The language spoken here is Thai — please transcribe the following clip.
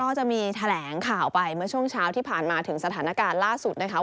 จะมีแถลงข่าวไปเมื่อช่วงเช้าที่ผ่านมาถึงสถานการณ์ล่าสุดนะคะ